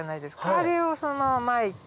あれをそのまままいて。